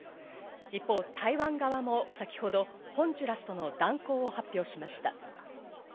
一方、台湾側も先ほどホンジュラスとの断交を発表しました。